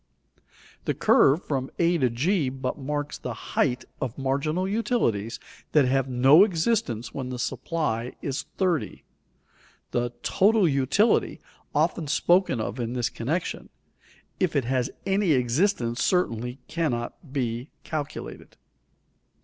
The curve from a g but marks the height of marginal utilities that have no existence when the supply is 30. The "total utility," often spoken of in this connection, if it has any existence certainly cannot be calculated.